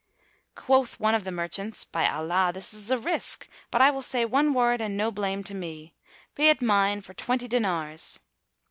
Quoth one of the merchants, "By Allah, this is a risk! But I will say one word and no blame to me. Be it mine for twenty dinars."